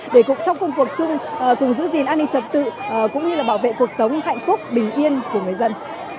để cũng trong công cuộc chung cùng giữ gìn an ninh trật tự cũng như là bảo vệ cuộc sống hạnh phúc bình yên của người dân